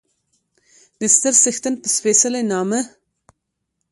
د ستر څښتن په سپېڅلي نامه